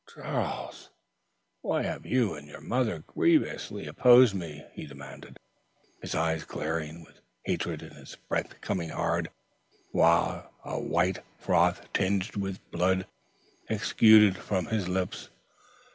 "Charles, why have you and your mother grievously opposed me?" he demanded, his eyes glaring with hatred and his breath coming hard, while a white froth, tinged with blood, exuded from his lips.